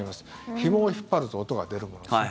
ひもを引っ張ると音が出るものですね。